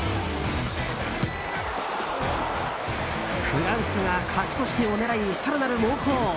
フランスが勝ち越し点を狙い更なる猛攻。